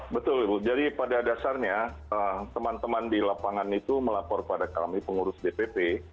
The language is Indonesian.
betul ibu jadi pada dasarnya teman teman di lapangan itu melapor pada kami pengurus dpp